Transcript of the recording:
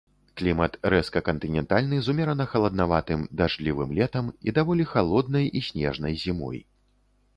Клімат рэзка-кантынентальны з умерана-халаднаватым, дажджлівым летам і даволі халоднай і снежнай зімой.